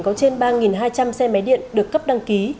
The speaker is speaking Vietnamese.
có trên ba hai trăm linh xe máy điện được cấp đăng ký